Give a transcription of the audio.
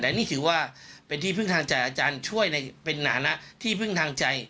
แต่นี่ถือว่าเป็นที่พึ่งทางใจอาจารย์ช่วยในเป็นหนานะที่พึ่งทางใจ